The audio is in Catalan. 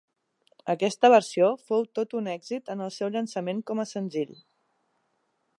Aquesta versió fou tot un èxit en el seu llançament com a senzill.